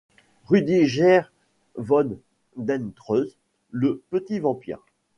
Rüdiger von Dentkreutz, le petit vampire.